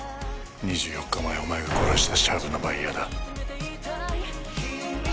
２４日前お前が殺したシャブのバイヤーだ。